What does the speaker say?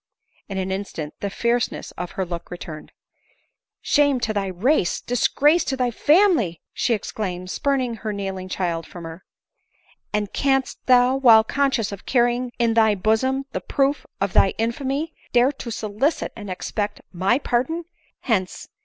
In an instant the fierceness of her look returned; " Shame to thy race, disgrace to thy family !" she ex ^ claimed, spurning her kneeling child from her ;" and | canst thou, while conscious of carrying in thy bosom the proof of thy infamy, dare to solicit and expect my par don ? Hence